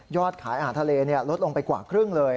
ขายอาหารทะเลลดลงไปกว่าครึ่งเลย